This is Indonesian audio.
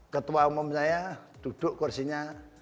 ketua umum saya duduk kursinya